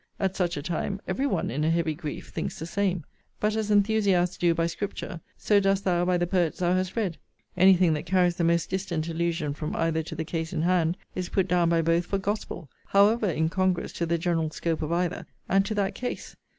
At such a time, every one in a heavy grief thinks the same: but as enthusiasts do by Scripture, so dost thou by the poets thou hast read: any thing that carries the most distant allusion from either to the case in hand, is put down by both for gospel, however incongruous to the general scope of either, and to that case.